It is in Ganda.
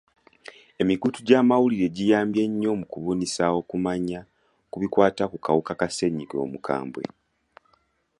Emikutu gy'amawulire giyambye nnyo mu kubunyisa okumanya ku bikwata ku kawuka ka ssenyiga omukambwe.